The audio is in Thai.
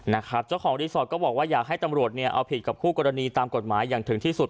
นะครับเจ้าของรีสอร์ทก็บอกว่าอยากให้ตำรวจเนี่ยเอาผิดกับคู่กรณีตามกฎหมายอย่างถึงที่สุด